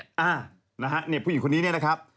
อ่านะฮะเนี่ยผู้หญิงคนนี้เนี่ยนะครับ